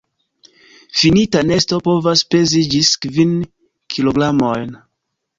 Finita nesto povas pezi ĝis kvin kilogramojn..